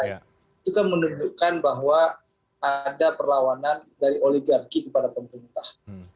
itu kan menunjukkan bahwa ada perlawanan dari oligarki kepada pemerintah